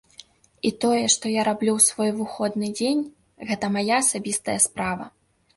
І тое, што я раблю ў свой выходны дзень, гэта мая асабістая справа.